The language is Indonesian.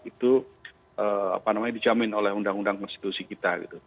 itu dijamin oleh undang undang konstitusi kita